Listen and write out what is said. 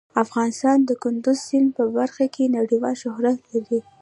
افغانستان د کندز سیند په برخه کې نړیوال شهرت لري.